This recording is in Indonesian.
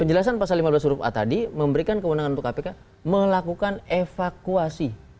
penjelasan pasal lima belas huruf a tadi memberikan kewenangan untuk kpk melakukan evakuasi